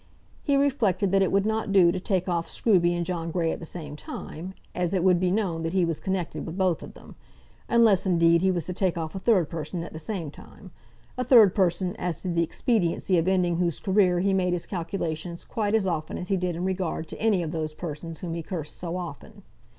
He reflected that it would not do to take off Scruby and John Grey at the same time, as it would be known that he was connected with both of them; unless, indeed, he was to take off a third person at the same time, a third person, as to the expediency of ending whose career he made his calculations quite as often as he did in regard to any of those persons whom he cursed so often.